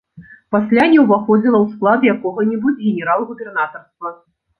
Пасля не ўваходзіла ў склад якога-небудзь генерал-губернатарства.